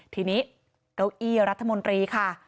ทีนี้เก้าอี้รัฐมนตรีค่ะ